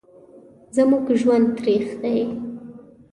زموږ ژوند تریخ دی